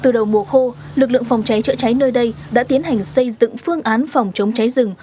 từ đầu mùa khô lực lượng phòng cháy chữa cháy nơi đây đã tiến hành xây dựng phương án phòng chống cháy rừng